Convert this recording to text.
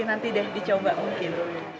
nanti deh dicoba mungkin